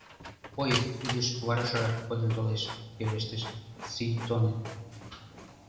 — Поезд изиш варашрак кодын толеш, — пелештыш Сийтонен.